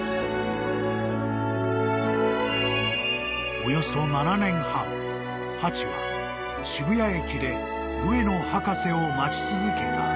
［およそ７年半ハチは渋谷駅で上野博士を待ち続けた］